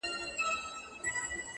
وي لكه ستوري هره شــپـه را روان؛